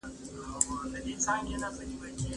څېړونکي وايي خطرونه هغومره لوی نه دي.